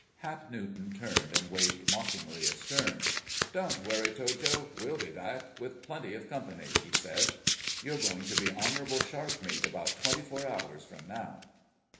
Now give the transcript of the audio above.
Hap Newton turned and waved mockingly astern. "Don't worry, Tojo—we'll be back, with plenty of company," he said. "You're going to be honorable shark meat about twenty four hours from now!"